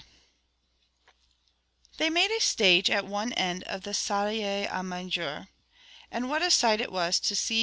They made a stage at one end of the salle à manger. And what a sight it was to see M.